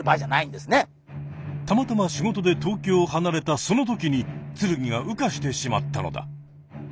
たまたま仕事で東京をはなれたそのときにつるぎが羽化してしまったのだ。